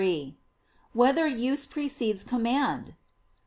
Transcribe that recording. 3] Whether Use Precedes Command?